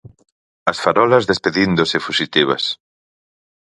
As farolas despedíndose fuxitivas.